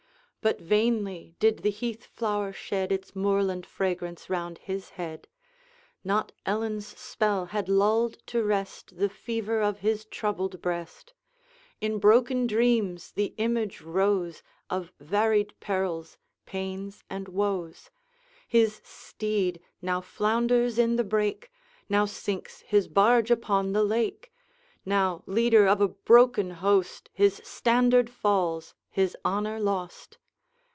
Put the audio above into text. But vainly did the heath flower shed Its moorland fragrance round his head; Not Ellen's spell had lulled to rest The fever of his troubled breast. In broken dreams the image rose Of varied perils, pains, and woes: His steed now flounders in the brake, Now sinks his barge upon the lake; Now leader of a broken host, His standard falls, his honor's lost.